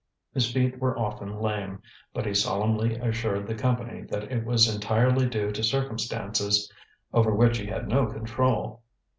His feet were often lame, but he solemnly assured the company that it was entirely due to circumstances over which he had no control.